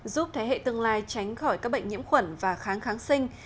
giúp thế hệ tương lai tránh khỏi các bệnh nhiễm khuẩn và kháng kháng sinh